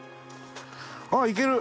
あっいける。